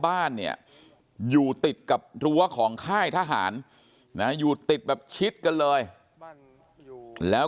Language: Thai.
บ้านเนี่ยอยู่ติดกับรั้วของค่ายทหารนะอยู่ติดแบบชิดกันเลยแล้ว